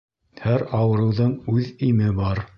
Һәр ауырыуҙың үҙ име бар.